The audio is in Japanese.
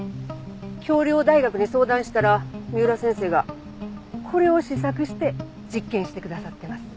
京陵大学に相談したら三浦先生がこれを試作して実験してくださってます。